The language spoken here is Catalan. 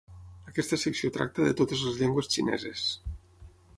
Aquesta secció tracta de totes les llengües xineses.